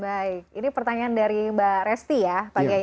baik ini pertanyaan dari mba resti ya pak geyi